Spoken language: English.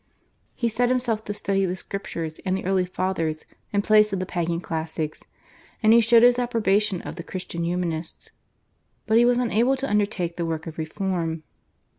He set himself to study the Scriptures and the early Fathers in place of the Pagan classics, and he showed his approbation of the Christian Humanists. But he was unable to undertake the work of reform.